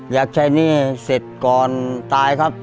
อยากใช้หนี้เสร็จก่อนตายครับ